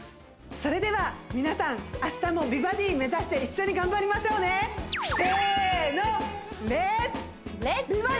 それでは皆さん明日も美バディ目指して一緒に頑張りましょうねせーのレッツ！